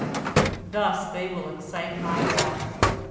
Thus they will excite My wrath.